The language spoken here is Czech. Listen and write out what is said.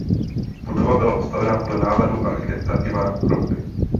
Budova byla postavena podle návrhu architekta Ivana Kroupy.